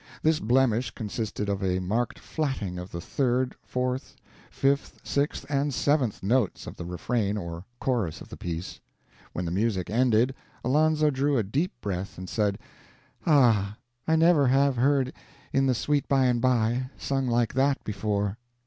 This blemish consisted of a marked flatting of the third, fourth, fifth, sixth, and seventh notes of the refrain or chorus of the piece. When the music ended, Alonzo drew a deep breath, and said, "Ah, I never have heard 'In the Sweet By and by' sung like that before!"